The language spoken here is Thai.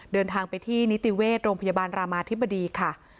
เดินทางไปที่นิติเวชโรงพยาบาลรามาธิบดีค่ะ